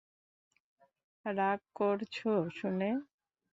রাগ করছ শুনে?